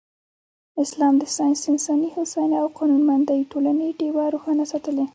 اسلام د ساینس، انساني هوساینې او قانونمندې ټولنې ډېوه روښانه ساتلې.